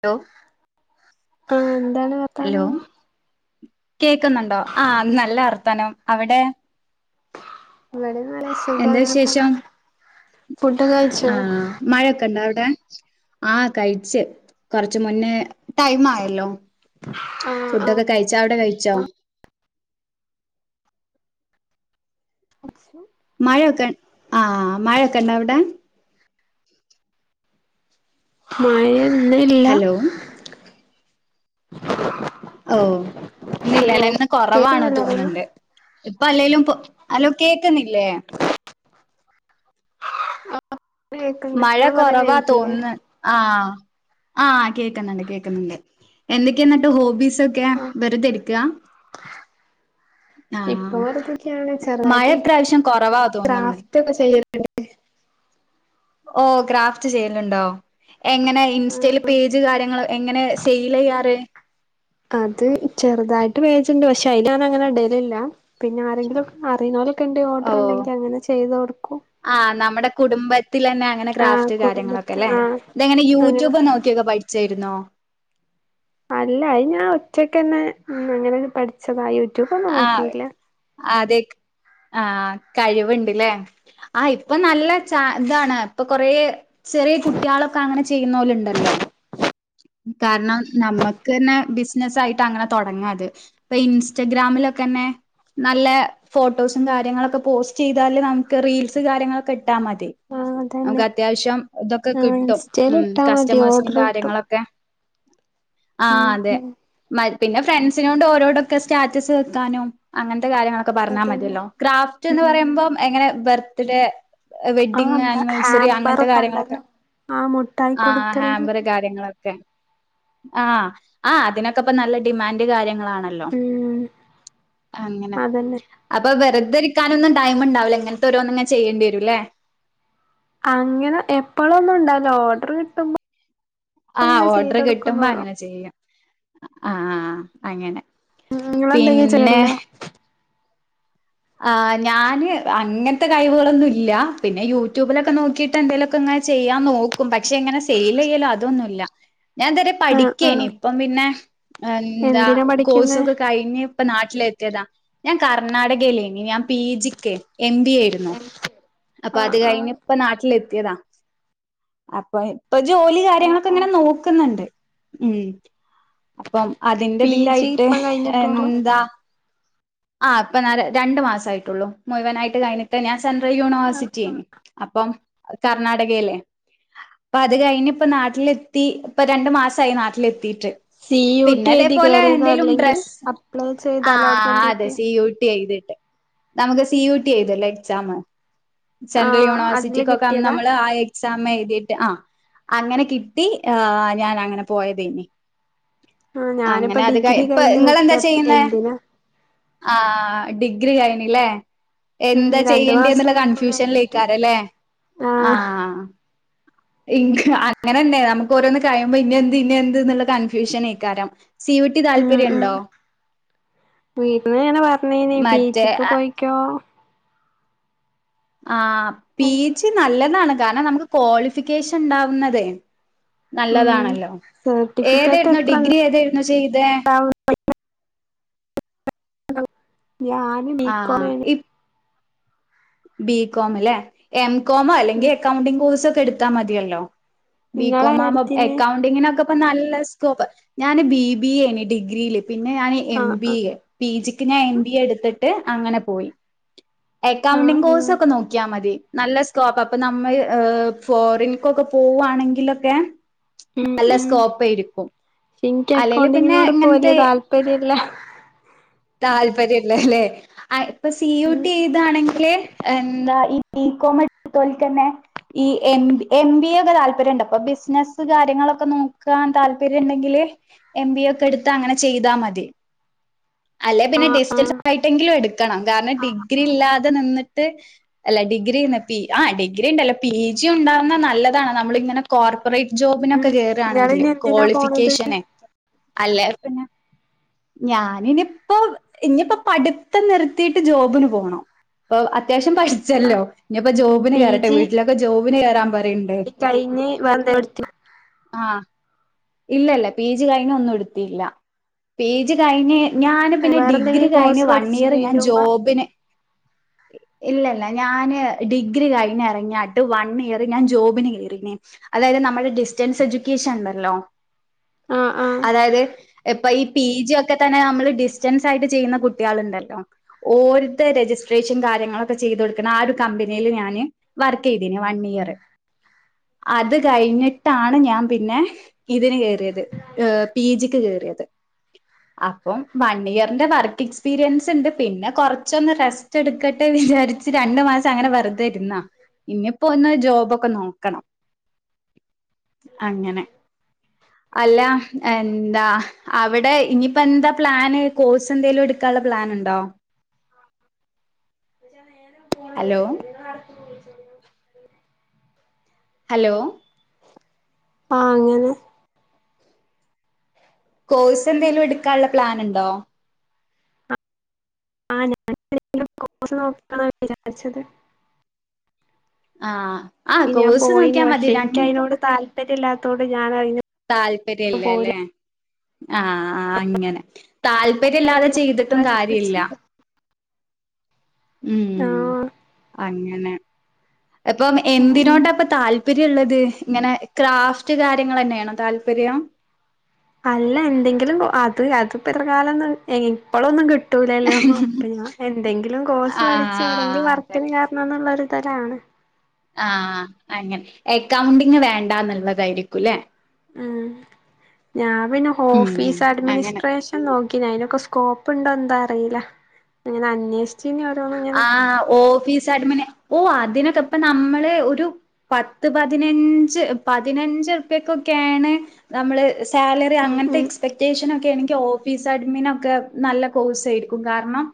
ട്ടോ ആഹ് എന്താണ് ഹലോ വർത്താനം കേക്കുന്നുണ്ടോ ആഹ് നല്ല വർത്താനം അവിടെ ഇവടെം നൽ എന്താ വിശേഷം ഫുഡ് കഴിച്ചോ ആഹ് മഴക്ക ഇണ്ടോ അവ്ടെ ആ കഴിച് കൊർച്ച് മുന്നേ ടൈമ് ആയല്ലോ ആഹ് ആഹ് ഫുഡൊക്കെ കഴിച്ച് അവ്ട കഴിച്ചോ ച്ചു മഴൊക്കെ ആഹ് മഴൊക്കെ ഇണ്ടോ അവ്ടെ മഴ ഇന്നില്ല ഹലോ ഓഹ് ഹലോ ഇന്നില്ലലേ ഇന്ന് കൊറവാണ് കേക്കുന്നില്ലേ പറയുന്നെ തോന്ന്ണ്ട് ഇപ്പ അല്ലേലും പൊ അലോ കേക്ക്ന്നില്ലേ കേൾക്കണ്ട് മഴ ഞാൻ പറയുന്ന കൊറവാ കേൾക്കില്ലേ തോൻന്ന് ആഹ് ആ കേക്ക്ന്ന്ണ്ട് കേക്ക്ന്ന്ണ്ട് എന്തക്ക്യ ന്നട്ട് ഹോബീസ് തൊക്കെ വെറ്തെ ഇരിക്കാ ഇപ്പൊ ആഹ് വെറുതെരിക്കാണ് മഴ ചെറുതായിട്ട് ഇപ്രാശ്യം കൊറവാ തോന്ന്ണ്ട് ക്രാഫ്റ്റ് ഒക്കെ ചെയ്യലുണ്ട് ഓ ഗ്രാഫ്റ്റ് ചെയ്യല്ണ്ടോ എങ്ങെനെ ഇൻസ് സ്റ്റേല് ആഹ് പേജ് കാര്യങ്ങള് എങ്ങെനെ സെയ്ലെയ്യാറ് അത് ചെറ്തായിട്ട് വേവിച്ചിന്ട് ണ്ട് പഷെ അയിൽ ഞാ അങ്ങനെ ഇടലില്ല പിന്നെ ആരെങ്കിലും അറീയൂണോറും ക്കേണ്ടെ ഓ ഓർഡർ ഇണ്ടെങ്കി അങ്ങനെ ചെയ്തൊട്ക്കും ആഹ് നമ്മടെ കുടുംബത്തിലന്നെ അങ്ങനെ ആഹ് ക്രാഫ്റ്റ് കാര്യങ്ങളൊക്കെ കുടുംബത്ത് ലേ ആഹ് ഇതെങ്ങനെ യൂട്യൂബ് അങ്ങനെ നോക്ക് തൊക്കേ പഠ്ച്ചേര്ന്നോ അല്ല അ യിൻ ഞാൻ ഒറ്റക്കന്നെങ്ങനെ പഠിച്ചതാ ആഹ് യൂട്യൂബൊന്നോക്കീല്ല അതെ ആഹ് കഴിവിണ്ട് ല്ലേ ആഹ് ഇപ്പൊ നല്ലെ ചാതാണ് ഇപ്പൊ കൊറേ ചെറ്യ കുട്ട്യാളൊക്കെ അങ്ങനെ ചെയ്യിന്നോലിണ്ടല്ലോ കാര്ണം നമ്മക്കന്നെ ബിസ്നസ്സായിട്ട് അങ്ങനെ തൊടങ്ങാത് ഇൻസ്റ്റാഗ്രാംലൊക്കന്നെ നല്ല ഫോട്ടോസും കാര്യങ്ങളൊക്കെ പോസ്റ്റെയ്താല് നമുക്ക് റീൽസ് കാര്യങ്ങളൊക്കെട്ടാ മതി ആഹ് അനക് അതന്നെ അത്യാശ്യം ഇതൊക്കെ ആഹ് കിട്ടും ഇൻസ്റ്റേൽ ഉം ഇട്ടാ മതി കസ്റ്റമേഴ്സ്നിം ഓർഡർ കിട്ടും കാര്യങ്ങളൊ ഓകെ ആഹ അതെ ഉം മര് പിന്നെ ഫ്രണ്ട്സിനോടും ഓരോടൊക്കെ സ്റ്റാറ്റസ് വെക്കാനോ അങ്ങനത്തെ കാര്യങ്ങളൊക്കെ പറഞ്ഞാൽ അതന്നെ മതിയല്ലോ ക്രാഫ്റ്റ് എന്ന് ഉം പറയുമ്പോം എങ്ങനെ ബർത്ത് ഡേ വെഡിങ്് ആഹ് ആനിവേഴ്സറി അങ്ങനത്തെ ഹാമ്പറൊക്കെ കാര്യങ്ങളൊക്കെ ഉണ്ടല്ലോ ആഹ് മുട്ടായി ആ കൊടുക്കല് ഹാമ്പർ കാര്യങ്ങളൊ കെ ആ ആ അതിനൊക്കെപ്പ നല്ല ഡിമാൻഡ് കാര്യങ്ങളാണ് ഹലോ ഉം അങ്ങനെ അതന്നെ അപ്പൊ വെറുതരിക്കാനൊന്നും ടൈ മ് ഉണ്ടാവില്ല ഇങ്ങനത്തെരോന്നുംങ്ങന ചെയ്യേണ്ടി രൂല്ലേ അങ്ങനെ എപ്പോഴൊന്നും ഉണ്ടാലോ ഓർഡർ കിട്ടുമ്പോ ആഹ അങ്ങനെ ഓർഡർ ചെയ്ത് കിട്ടുമ്പോ കൊടുക്കുന്നുള്ളു അങ്ങനെ ചെയ്യും ആഹഅങ്ങനെ ഉ നിങ്ങൾ എന്തെങ്കും ചെയല്ലോ ആഞാന് അങ്ങനത്തെ കഴിവുകളൊന്നും ഇല്ല പിന്നെ യൂട്യൂബിലൊക്കെ നോക്കി എന്തേലുമക്കെ ഇങ്ങനെ ചെയ്യാൻ നോക്കും പക്ഷെ ങ്ങനെ സെയിൽ ചെയ്യലോ അതൊന്നുല്ല ഞാൻ ഇത് വര ആഹ് പഠിക്കേനി ആഹ് ഇപ്പം പിന്നെ എന്താ എന്തിനാ പഠിക്കുന്നേ കോഴ്സൊക്കെ കഴിഞ്ഞ് പ്പൊ നാട്ടിലെത്തിയതാ ഞാൻ കർണാടകയിലേനി ഞാൻ പി ജിക്ക് എം ബി ആയിരുന്നു അപ്പൊ അത് ആഹ് കഴിഞ്ഞ ആഹ് പ്പ നാട്ടിലെത്തിയതാ അപ്പൊഅഹ് പ്പൊ ജോലി ഓഹ് കാര്യങ്ങളൊക്കെങ്ങനെ ഓഹ് നോക്കുന്നുണ്ട് ഉം അപ്പം അതിന്റെ പി ജി ഇതിലയിട്ട് ഇപ്പം കഴിഞ്ഞിട്ടുള്ളൂ എന്താ ആ അപ്പൊ നരെ രണ്ട് മാസ ആയിട്ടുള്ളൂ മുഴുവനായിട്ട് കഴഞ്ഞിട്ട് ഞാൻ സെൻട്രൽ യൂണിവേഴ്സിറ്റി അപ്പം കർണാടകയിലേ പ്പൊ അത് കഴിഞ്ഞ ഇപ്പ നാട്ടിലെത്തി ഇപ്പ രണ്ടു മാസമായി നാട്ടിലെത്തിട്ട് സി യു ടി എഴുതി പിന്നെതേപോലെ കയറിയതോ എന്തേലും അല്ലെങ്കിൽ ഡ്രസ് അപ്ലൈ ചെയ്ത് ആ അലോട്ട്മെന്റ് അതെ കിട്ടിയ സി യു ടി ചെയ്തിട്ട് ഉണ്ട് നമുക്ക് സി യു ടി ചെയ്തല്ലേ എക്സാം സെൻട്രൽ ആഹ് അതില് യൂണിവേഴ്സിറ്റിക്കൊക്കെ കിട്ടിയതാ അന്നമ്മൾ ആ യെ എക്സാം എഴുതിയിട്ട് അ അങ്ങനെ കിട്ടി ആ ഞാൻ അങ്ങനെ പോയതെന്നി ആഹ് ഞാനിപ്പ അങ്ങനെ അത് ഡിഗ്രി കയിഞ്ഞി പ്പൊ കഴിഞ്ഞ് നിങ്ങളെന്താ നിക്ക ചെയ്യുന്ന എന്തിനാ ആ ഡിഗ്രി കയിഞ്ഞില്ലേ ഉം എന്താ രണ്ടു ചെയ്യേണ്ടി എന്നുള്ള മാസായി ഇപ്പോ കഴിഞ്ഞിട്ട് കൺഫ്യൂഷനിലേക്കാരല്ലേ ആഹ് ആഹ ഇൻക് അങ്ങനെന്നെ നമുക്ക് ഓരോന്ന് കഴിയുമ്പോ ഇന്നെന്ത് ഇന്നെന്ത് എന്നുള്ള കൺഫ്യൂഷനെയ് ക്കാരം ഉം ഉം വീടിന്ന് ഇങ്ങനെ പറഞ്ഞനി പീ മറ്റേ ജി ക്ക് പോയിക്കോ ആ പിജി നല്ലതാണ് കാരണം നമുക്ക് ക്വാളിഫിക്കേഷൻ ഉണ്ടാവുന്നതേ ഉം നല്ലതാണല്ലോ സർട്ടിഫിക്കറ്റ് ഏതായിരുന്നു എത്ര ഡിഗ്രി ഏതായിരുന്നു ചെയ്തെ ഉണ്ടാവും ഞാന് ബീകോമെനി ബി കോമല്ലെ എം കോമോ ഉം അല്ലെങ്കിൽ അക്കൗണ്ടിങ് കോഴ്സ് ഒക്കെ എടുത്താ മതിയല്ലോ ബികോം ഇങ്ങളേതാ ആവുമ്പോ എടുത്തീനെ എക്കൗണ്ടിങ്ങിനൊക്കെ പ്പം നല്ല സ്കോപ്പ് ഞാന് ബി ബി എനി ഡിഗ്രിയില് പിന്നെ ഞാന് എം ആഹ് ബി ആഹ് എ പി ജിക്ക് ഞാൻ എം ബി എ എടുത്തിട്ട് അങ്ങനെ പോയി ആഹ് അക്കൗണ്ടിങ് ആഹ് കോഴ്സൊക്കെ നോക്കിയാ മതി നല്ല സ്കോപ്പ് അപ്പൊ നമ്മൾ ഏഹ് ഫോറിൻക്കൊക്കെ പോവാണെങ്കിലൊക്കെ ഉം നല്ല ഉം സ്കോപേയിരിക്കും എനിക്ക് അല്ലേൽ പിന്നേ അക്കൗണ്ടിങ്ങിനോട് ഇപ്പോ വല്യ ഇങ്ങൻത്തെ താല്പര്യല്ല താല്പര്യല്ലല്ലേ ഇപ്പൊ സി യു ട്ടി എ യ്താണെങ്കില് എന്താ ഈ ഇ കോമ് എട്തോൽക്കെന്നെ ഈ എം എം ബി ഒക്കെ താല്പര്യംണ്ടോ അപ്പൊ ബിസിനസ് സു കാര്യങ്ങളൊക്കെ നോക്കാൻ താല്പര്യണ്ടങ്കില് എം ബി എ ഒക്കെ എടുത്ത് അങ്ങനെ ചെയ്താ മതി അല്ലെ പിന്നെ ആഹ് ആഹ് ഡിസ്റ്റൻസ് ആയിട്ടെങ്കിലും എടുക്കണം കാരണം ഡിഗ്രി ഇല്ലാതെ നിന്നി ട്ട് അല്ല ഡിഗ്രിന്ന് പി ആഹ് ഡിഗ്രി ണ്ടല്ല പി ജി ഉണ്ടാവുന്ന നല്ലതാണ് നമ്മൾ ഇങ്ങനെ കോർപ്പറേറ്റ് ഉം ജോബിനൊക്കെ കേറാണെങ്കില് ഇങ്ങളിനി എന്തിനാ പോണത് ക്വാളിഫിക്കേഷനെ അല്ലേ പിന്നെ ഞാന് ഇനിപ്പോ ഇനിയിപ്പോ പഠിത്തം നിർത്തിയിട്ട് ജോബിന് പോണം ഇപ്പൊ അത്യാവശ്യം ആഹ് പഠിച്ചല്ലോ ഇനിപ്പോ ജോബിന് കേറെട്ടെ വീട്ടിലൊക്കെ ജോബിന് കേറാൻ പറിണ്ട് ഇ കയ്ഞ് വെറന്തേല് എട്ത്തി ആഹ് ഇല്ലല്ല പീ ജ് കഴിഞ്ഞന്നും എടുത്തില്ല പീ ജി കഴിഞ് ഞാന് പിന്നെ ഡിഗ്രി വേറെന്തെങ്കിലും കോഴ്സ് കഴിഞ്ഞ് വൺ ഇയർ പഠിച്ചീനോ ഞാൻ അയിന്റെ മുമ്പ് ജോബിന് ഇല്ല ഇല്ല ഞാന് ഡിഗ്രി കഴിഞ് ഇറങ്ങിയായിട്ട് വൺ ഇയർ ഞാൻ ജോബിന് കേറീഞ് അതായത് നമ്മുടെ ഡിസ്റ്റൻസ് എഡ്യൂക്കേഷൻ ണ്ടല്ലോ ആഹ് ആഹ് അതായത് എപ്പ ഇ പി ജി ഒക്കെ തന്നെ നമ്മള് ഡിസ്റ്റൻസ് ആയിട്ട് ചെയ്യുന്ന കുട്ട്യേള്ണ്ടല്ലോ ഓര്തെ രജിസ്ട്രേഷൻ കാ ര്യങ്ങളൊക്കെ ചെയ്തൊടുക്ണ ആ ഒരു കമ്പനിൽ ഞാന് വർക്കയ്തീനി വൺ ഇയർ അത് കഴിഞ്ഞിട്ടാണ് ഞാൻ പിന്നെ ഇതിന് കേറിയത് പി ജിക്ക് കേറിയത് അപ്പം വൺ ഇയറിന്റെ വർക്ക് എക്സ്പീരിയൻസ്ണ്ട് പിന്നെ കൊറച്ചൊന്ന് റെസ്റ്റ് എടുക്ക ഇച്ച് രണ്ട് മാസം അങ്ങനെ വെറുതെ ഇരുന്നാ ഇനിയിപ്പോ ഒന്ന് ജോബൊക്കെ നോക്കണം അങ്ങനെ അല്ല എന്താ അവടെ ഇനിയിപ്പോ എന്താ പ്ലാന് കോഴ്സ് എന്തെലും എട്ക്കാൻള്ള പ്ലാനുണ്ടോ ന്നേച്ചാ നേരം ഹലോ [inaudible] ഉം ഹലോ ആഹ് അങ്ങനെ കോഴ്സ് എന്തെേലും എടുക്കാനുള്ള പ്ലാന് ഉണ്ടോ ആഹ് [inaudible] കോസ് നോക്ക വിചാരിച്ചത് ആഹ് ആഹ് ഇ ഞാൻ കോഴ്സ് പോയിന് നോക്കിയാൽ മതി പക്ഷെ ര ഇൻക്ക് അയ്നോട് താല്പര്യല്ലാത്തോണ്ട് ഞാനയ്ന് താല്പര്യല്ല ലേ ആഹ് അഹ് അങ്ങനെ താല്പര്യം ഇല്ലാതെ ചെയ്തിട്ടും കാര്യല്ല ഉം ആഹ് അങ്ങനെ അപ്പം ഉം ഉം എന്തിനോട്ടപ്പൊ താല്പര്യള്ളത് ഇങ്ങനെ ക്രാഫ്റ്റ് കാര്യങ്ങളെന്നെയാണോ താല്പര്യം? അല്ല എന്തെങ്കിലും അത് അത് ഇപ്പ എത്രകാലന്ന് എ ഇപ്പളൊന്നും കി ട്ടൂലല്ലോ ഓഹ് അപ്പ ഞാൻ എന്തെങ്കിലും കോഴ്സ് പഠിച്ച് എവിടെങ്കിൽ ആഹ് അതെ വർക്കിന് ചേർണന്ന്ള്ളൊരു ഇതിലാണ്. ആഹ്, അങ്ങനെ എക്കൗണ്ടിങ് വേണ്ടാന്നുള്ളതായിരിക്കുല്ലേ? ആഹ്, ഞാൻ പിന്നെ ഉം ഉം ഓഫീസ് അങ്ങനെ അഡ്മിനിസ്ട്രേഷൻ നോക്കീനി അയിനൊക്കെ സ്കോപ്പ് ഇണ്ടോ എന്താ അറീല, അത്ങ്ങനെ അന്വേഷി ആ ഓഫീസ് അഡ്മിന് ഓഹ് അതിനൊക്കെ ഇപ്പ നമ്മള് ഒരു പത്ത് പതിനഞ്ച് പതിനഞ്ച് ഉർപ്പ്യക്കൊക്കേണ് നമ്മള് സ് സാലറി ഉം അങ്ങൻത്തെ ഉം എക്സ് പെക്ടേഷനൊക്കെ ആണെങ്കിൽ ഓഫീസ് അഡ്മിനൊക്കെ നല്ല കോഴ്സ് ആയിരിക്കും കാരണം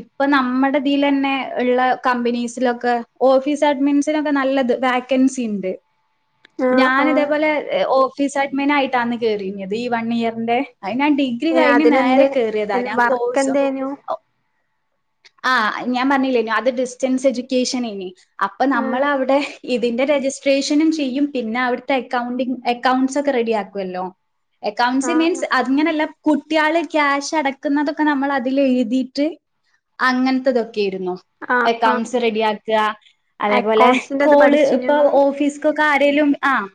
ഇപ്പ നമ്മടെ ഇതീലെന്നെ ഇള്ള കമ്പനീസ് ലൊക്കെ ഓഫീസ് അഡ്മിൻസിനൊക്കെ നല്ലത് വാക്കൻസി ഇണ്ട്. ആഹ് ഞാന് ആഹ് അതെപോലെ ഏഹ് ഓ ഫീസ് അഡ്മിന് ആയിട്ടാന്ന് കേറീനിയത് ഈ വൺ ഇയറിന്റെ അയ് ഞാൻ ഡി ഗ്രി ഏഹ് കഴിഞ്ഞ് നേരെ അതിനെന്തേ കേറിയതാ ഞാൻ വർക്ക് കോഴ്സും എന്തേനു ആഹ് ഞാൻ പറഞ്ഞില്ലേനു അത് ഡിസ്റ്റൻസ് എഡ്യൂക്കേഷനേനി അപ്പ ആഹ് നമ്മള് അവിടെ ഇതിന്റെ രജിസ്ട്രേഷനും ചെയ്യും പിന്നെ അവിട്ത്തെ അക്കൗണ്ടിങ് അക്കൌണ്ട്സ് ഒക്കെ റെഡി ആക്കുല്ലോ. അക്കൗണ്ട്സ് ആഹ് മീൻസ് അതിങ്ങനെയല്ല കുട്ടിയാള് ക്യാഷ് അടക്കുന്നതൊക്കെ നമ്മള് അതിൽ എഴുതിയിട്ട് അങ്ങൻത്തെതൊക്കേര്ന്നു. ആഹ് ആഹ് അക്കൗണ്ട്സ് റെഡി ആക്ക് അതേപോലെ അക്കൗണ്ട്സിന്റെത് കോള് ഇപ്പ പഠിച്ചിനോ ഇങ്ങള് ഓഫീസ് ക്കൊക്കെ ആരേലും ആഹ്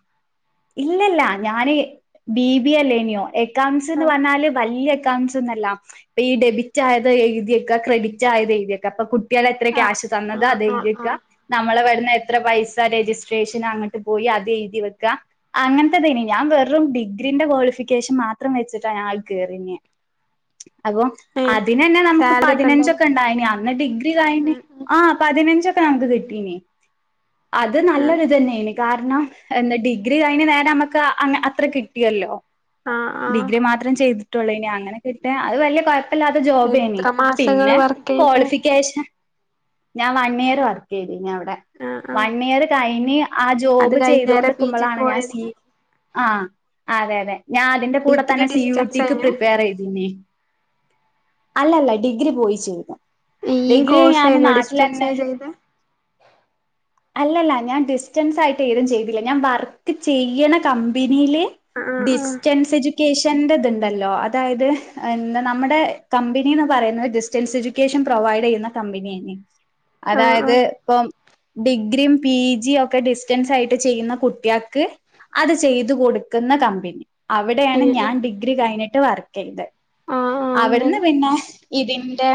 ഇല്ലല്ല ഞാന് ബി ബി എ അല്ലേനിയോ എ ക്കൗണ്ട്സ്ന്ന് ആഹ് പറഞ്ഞാല് വല്ല്യ അക്കൗണ്ട്സ് ഒന്നല്ല ഇപ്പ ഈ ഡെബിറ്റ് ആയത് എഴുതിവെക്ക് ക്രെഡി ക്റ്റായത് എഴുതിവെക്ക് അപ്പ കുട്ടിയള് എത്ര ആഹ് ക്യാഷ് തന്നത് ആഹ് അതെഴുതി ആഹ് വെക്ക് ആഹ് നമ്മള് ഇവട്ന്ന് എത്ര പൈസ രജിസ്ട്രേഷൻ അങ്ങട്ട് പോയി അത് എഴുതി വെക്ക് അങ്ങൻത്തെതേനി ഞാൻ വെറും ഡിഗ്രീന്റെ ക്വാളിഫിക്കേഷൻ മാത്രം വെച്ചിട്ടാ ഞാൻ അയ് കേറീനേ. അപ്പം ഏഹ് അതിനന്നെ നമക്ക് സാലറി ഒക്കെ പതിനഞ്ചൊ ഉണ്ടായിനോ ക്കെ ഇണ്ടായിനി അന്ന് ഡിഗ്രി കഴിഞ്ഞ് ഉം ഉം ആഹ് പതിനഞ്ചൊക്കെ നമക്ക് കിട്ടീനി. അത് ആഹ് നല്ലൊര്തെന്നേനി കാരണം എന്താ ഡിഗ്രി കഴിഞ്ഞ് നേരെ നമക്ക് അങ്ങ് അത്ര കിട്ടിയല്ലോ ആഹ് ആഹ് ഡിഗ്രി മാത്രം ചെയ്തിട്ടുള്ളേനി അങ്ങനെ കിട്ടാ അത് വല്ല്യ കൊയ പ്പല്ലാത്ത ജോബേനി എത്ര മാസങ്ങള് പിന്നെ, വർക്ക് ചെയ്തേ ക്വാളിഫിക്കേഷൻ ഞാൻ വൺ ഇയർ വർക്ക്യ്തിനു അവിടെ. ആഹ് ആഹ് വൺ ഇയർ കഴിഞ്ഞ് ആ അത് ജോബ് കഴിഞ്ഞേരം പി ജിക്ക് ചെയ്തോണ്ട്ക്ക്മ്പളാണ് ഞാൻ പോയത് സീ ആഹ്, അതെ അതെ ഞാൻ അതിന്റെ കൂടെ ഡിഗ്രി തന്നെ സി യു ഡിസ്റ്റൻസ് ടിക്ക് ഏനു പ്രിപ്പേറേതിനി അല്ലല്ല ഡിഗ്രി പോയി ചെ ഈ കോഴ്സ് കയിഞ്ഞോ തന്നെ ഡിസ്റ്റൻസായി ചെയ്തെ? അല്ലല്ല ഞാൻ ഡിസ്റ്റൻസ് ആയിട്ട് ഏതും ചെയ്തില്ല ഞാൻ വർക്ക് ചെയ്യ്ണ കമ്പനീല് ആഹ് ആഹ് ഡിസ്റ്റൻസ് എജ്യൂക്കേഷന്റത്ണ്ടല്ലോ അതായത് എന്താ നമ്മുടെ കമ്പനീന്ന് പറയുന്നത് ഡിസ്റ്റൻസ് എജ്യൂക്കേഷൻ പ്രൊവൈഡെയ്യുന്ന കമ്പനിയേനി. ആഹ് അതായത് ആഹ് ഇപ്പം ഡിഗ്രിയും പി ജിയും ഒക്കെ ഡിസ്റ്റൻസ് ആയിട്ട് ചെയ്യുന്ന കുട്ടിയാക്ക് അത് ചെയ്തു കൊടുക്കുന്ന കമ്പനി. അവിടെയാണ് ഏഹ് ഞാൻ ഏഹ് ഡിഗ്രി കഴിഞ്ഞിട്ട് വർക്ക്യ്തെ. ആഹ് ആഹ് അവിട്ന്ന് അങ്ങനെ പിന്നെ ഇതിന്റെ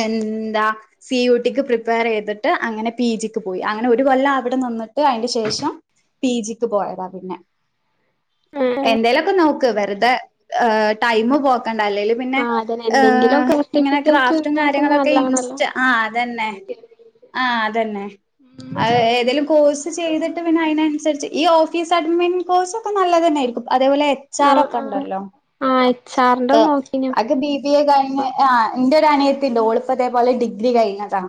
എന്താ സി യു ടിക്ക് പ്രിപ്പേറെയ്തിട്ട് അങ്ങനെ പി ജിക്ക് പോയി, അങ്ങനെ ഒരു കൊല്ലം അവിടെ നിന്നിട്ട് അയിന്റെ ശേഷം പി ജിക്ക് പോയതാ പിന്നെ. ഏഹ് ഏഹ് എന്തേലൊക്കെ നോക്ക് വെറുതെ ഏഹ് ടൈമ് പോക്കണ്ട അല്ലേല് പിന്നെ ആഹ് അതന്നെ ഏഹ് എന്തെങ്കിലുമൊക്കെ ഇങ്ങനെ സർട്ടിഫിക്കറ്റ് ക്രാഫ്റ്റും ഉണ്ടാക്ക കാര്യങ്ങളൊക്കെ നല്ലാണല്ലോ ഇൻസ്റ്റ ആഹ് അതന്നെ ആഹ് അതന്നെ അഹ് ഏതെലും കോഴ്സ് കോഴ്സ് ചെയ്തിട്ട് പിന്നെ അയിനന്സരിച്ച് ഈ ഓഫീസ് അഡ്മിൻ കോഴ്സൊക്കെ നല്ലത്തന്നെയായിരിക്കും അതേപോലെ ആഹ് ആഹ് എച്ചാറൊക്കെണ്ടല്ലോ ആഹ് എച്ചാർ ഈഹ് ആക്ക് ബി ബി എ കഴിഞ്ഞ് ആഹ് ഇന്റെ ഒരു ഉം അനിയത്തിണ്ട് ഉം ഓള് ഇപ്പതേപോലെ ഡിഗ്രി കഴിഞ്ഞതാ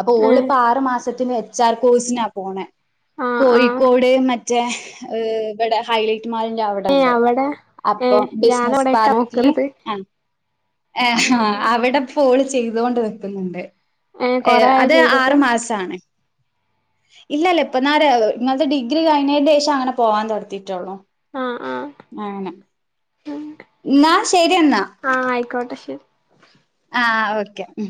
അപ്പൊ ഏഹ് ഓള്പ്പആറ് മാസത്തിന് എച്ച് ആർ കോഴ്സിനാ പോണെ ആഹ് ആഹ് കോഴിക്കോട് മറ്റേ ഏഹ് ഇവിടെ ഹൈലൈറ്റ് ഹൈലൈറ്റ് മാളിന്റെ ഏഹ് അവ്ടക്കെ അവിടെ അപ്പ ഏഹ് ബിസിനസ് ഞാനവിടെയൊക്കെ പാർക്ക് ക്കി നോക്കണത് ആഹ് ഉം ഉം അവിടെപ്പോള് ചെയ്തോണ്ട് നിക്ക്ന്ന്ണ്ട് ഏ കൊറേ ഏഹ് ആയോ അത് ചെയ്തിട്ട് ആറ് മാസാണ് ഇല്ലല്ല ഇപ്പന്നാരെ ഇങ്ങള്ത് ഡിഗ്രി കഴിഞ്ഞേന്റെ ശേഷം ആണ് പോവാൻ തൊട്ങ്ങീറ്റൊള്ളൂ ആഹ് -ആഹ് ആണ് ഉം ഇന്നാ ശെരിയെന്നാ ആഹ് ആയ്ക്കോട്ടെ ശെരി ആഹ് ഓക്കെ ഉം